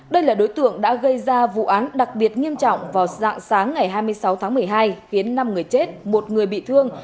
đây là đối tượng đã gây ra vụ án đặc biệt nghiêm trọng vào dạng sáng ngày hai mươi sáu tháng một mươi hai khiến năm người chết một người bị thương